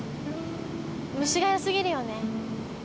ムシがよすぎるよね。